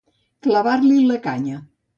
Clavar-li la canya.